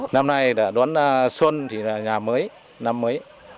năm nay đã đón xuân thì là nhà mới năm mới